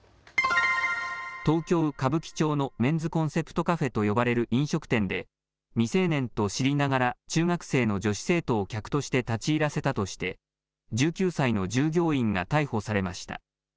東京歌舞伎町のメンズコンセプトカフェと呼ばれる飲食店で未成年と知りながら中学生の女子生徒を客として立ち入らせたとして１９歳の従業員が逮捕されました。